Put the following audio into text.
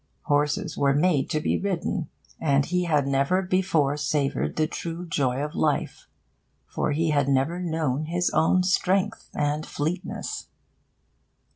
Horses were made to be ridden; and he had never before savoured the true joy of life, for he had never known his own strength and fleetness.